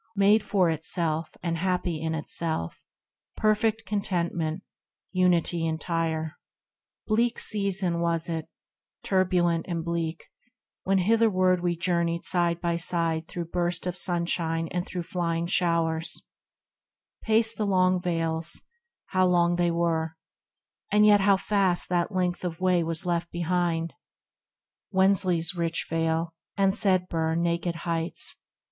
Made for itself, and happy in itself, Perfect contentment, Unity entire. Bleak season was it, turbulent and bleak, When hitherward we journeyed side by side Through burst of sunshine and through flying showers ; Paced the long vales — how long they were — and yet How fast that length of way was left behind, Wensley's rich Vale, and Sedbergh's naked heights.